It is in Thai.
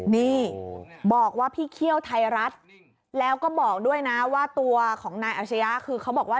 นี่บอกว่าพี่เคี่ยวไทยรัฐแล้วก็บอกด้วยนะว่าตัวของนายอาชญะคือเขาบอกว่า